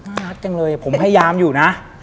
น่ารักจังเลยผมพยายามอยู่นะ